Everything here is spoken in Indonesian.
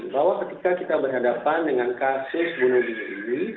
bahwa ketika kita berhadapan dengan kasus bunuh diri